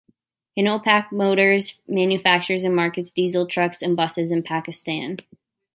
Hinopak Motors manufactures and markets diesel trucks and buses in Pakistan.